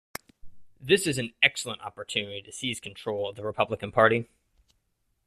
This is an excellent opportunity to seize control of the Republican Party.